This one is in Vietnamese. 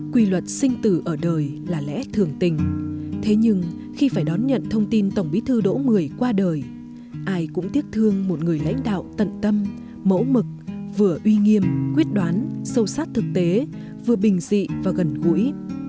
quy luật sinh tử ở đời là lẽ thường tình thế nhưng khi phải đón nhận thông tin tổng bí thư đỗ mười qua đời ai cũng tiếc thương một người lãnh đạo tận tâm mẫu mực vừa uy nghiêm quyết đoán sâu sát thực tế vừa bình dị và gần gũi